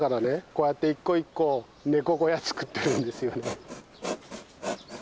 こうやって一個一個猫小屋作ってるんですよね。